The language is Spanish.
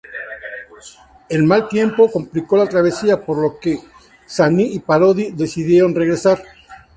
El mal tiempo complicó la travesía, por lo que Zanni y Parodi decidieron regresar.